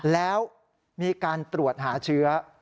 แล้วมีการตรวจหาเชื้อ